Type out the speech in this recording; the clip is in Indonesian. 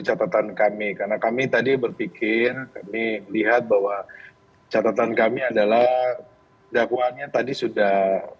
catatan kami karena kami tadi berpikir kami melihat bahwa catatan kami adalah dakwaannya tadi sudah